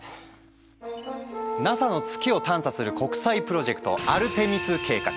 ＮＡＳＡの月を探査する国際プロジェクト「アルテミス計画」。